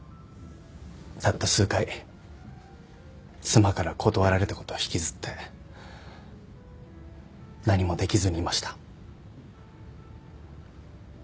たった数回妻から断られたことを引きずって何もできずにいました。